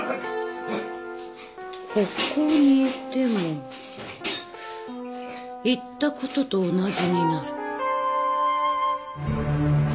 ここにいても行ったことと同じになる。